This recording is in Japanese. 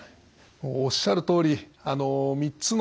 おっしゃるとおり３つの治療法